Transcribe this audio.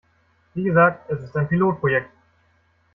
Wie gesagt, es ist ein Pilotprojekt.